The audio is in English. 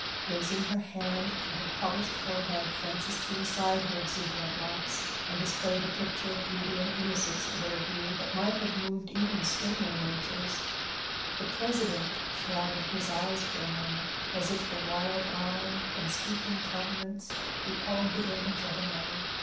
Raising her hand to her polished forehead, Frances threw aside her exuberant locks, and displayed a picture of beauty and innocence to their view that might have moved even sterner natures. The president shrouded his eyes for a moment, as if the wild eye and speaking countenance recalled the image of another.